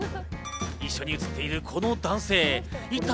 一緒に写っている、この男性、一体